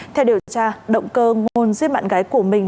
theo điều tra động cơ ngôn giết bạn gái của mình